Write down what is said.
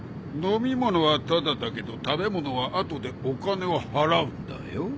飲み物はタダだけど食べ物は後でお金を払うんだよ。